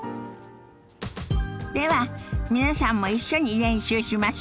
では皆さんも一緒に練習しましょ。